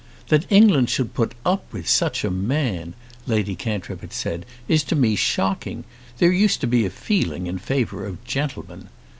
"That England should put up with such a man," Lady Cantrip had said, "is to me shocking! There used to be a feeling in favour of gentlemen."